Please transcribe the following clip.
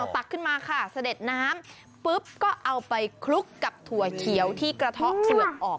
ตักขึ้นมาค่ะเสด็จน้ำปุ๊บก็เอาไปคลุกกับถั่วเขียวที่กระเทาะเผือกออก